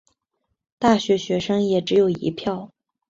大学学生也只有一票